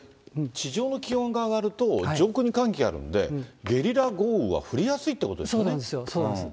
地上の気温が上がると、上空に寒気があるんで、ゲリラ豪雨は降りやすいということですよね。